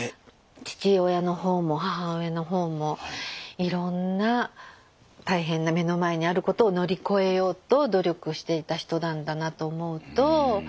父親のほうも母親のほうもいろんな大変な目の前にあることを乗り越えようと努力していた人なんだなと思うと。